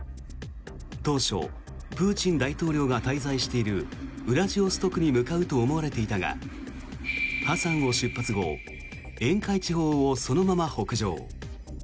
当初、プーチン大統領が滞在しているウラジオストクに向かうと思われていたがハサンを出発後沿海地方をそのまま北上。